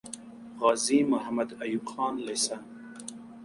غازي محمد ايوب خان لیسه